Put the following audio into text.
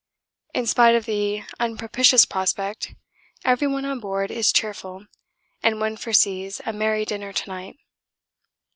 In spite of the unpropitious prospect everyone on board is cheerful and one foresees a merry dinner to night.